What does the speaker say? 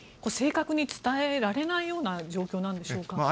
正確に伝えられないような状況なんでしょうか？